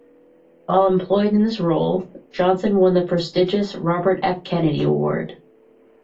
While employed in this role, Johnson won the prestigious Robert F. Kennedy Award.